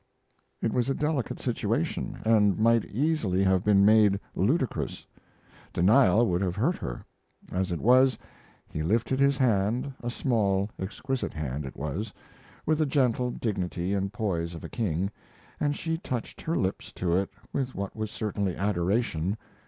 It was a delicate situation, and might easily have been made ludicrous. Denial would have hurt her. As it was, he lifted his hand, a small, exquisite hand it was, with the gentle dignity and poise of a king, and she touched her lips to it with what was certainly adoration.